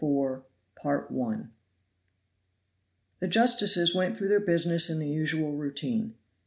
CHAPTER XXIV. THE justices went through their business in the usual routine.